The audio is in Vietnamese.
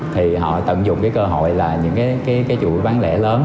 thì họ tận dụng cái cơ hội là những cái chuỗi bán lẻ lớn